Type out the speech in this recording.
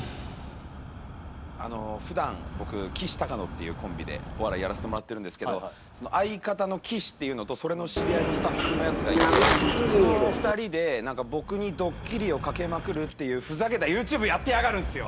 あの普段僕きしたかのっていうコンビでお笑いやらしてもらってるんですけど相方の岸っていうのとそれの知り合いのスタッフのやつがいてその２人で僕にドッキリを掛けまくるっていうふざけたＹｏｕＴｕｂｅやってやがるんすよ。